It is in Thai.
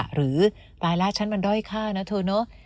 หรือรายละฉันมันด้อยค่านะเธอเนอะ